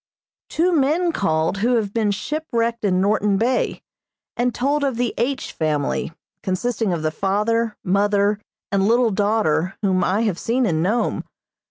Two men called who have been shipwrecked in Norton Bay, and told of the H. family, consisting of the father, mother, and little daughter whom I have seen in Nome.